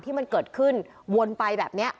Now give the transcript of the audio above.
ที่มันเกิดขึ้นวนไปแบบนี้